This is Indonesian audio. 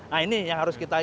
nah ini yang harus kita